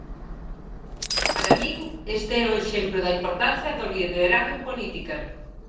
Para min, este é o exemplo da importancia do liderado en política.